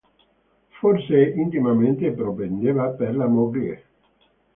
Forse intimamente propendeva per la moglie.